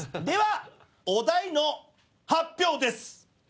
ではお題の発表です。